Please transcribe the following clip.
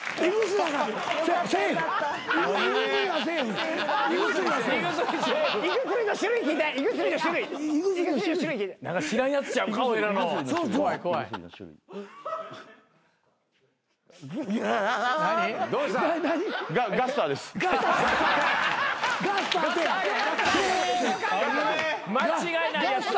間違いないやつ。